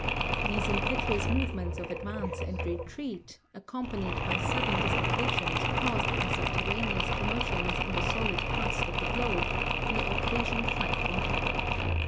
These impetuous movements of advance and retreat, accompanied by sudden dislocations caused by subterraneous commotions in the solid crust of the globe, may occasion frightful havoc.